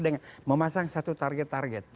dengan memasang satu target target